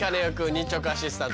日直アシスタント